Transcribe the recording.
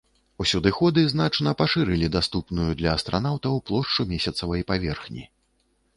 Усюдыходы значна пашырылі даступную для астранаўтаў плошчу месяцавай паверхні.